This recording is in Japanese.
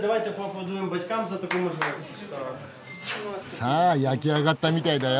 さあ焼き上がったみたいだよ。